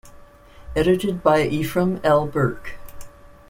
Edited by Efram L. Burk.